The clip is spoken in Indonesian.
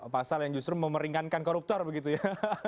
pasal yang justru memeringankan koruptor begitu ya